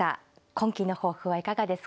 今期の抱負はいかがですか。